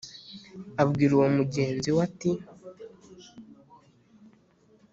abwira uwo mugenzi we ati: